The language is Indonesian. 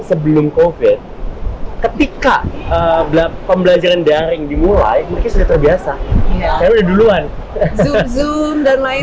sebelum covid ketika pembelajaran daring dimulai mereka sudah terbiasa saya udah duluan dan lain